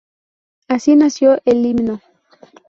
Así nació el himno.